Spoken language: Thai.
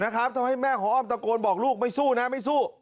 ทำให้แม่ของอ้อมตะโกนบอกลูกไม่สู้นะไม่สู้